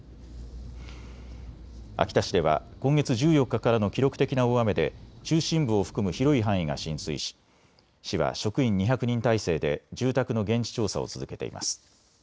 秋田市では今月１４日からの記録的な大雨で中心部を含む広い範囲が浸水し市は職員２００人態勢で住宅の現地調査を続けています。